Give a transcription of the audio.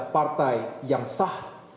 partai yang sah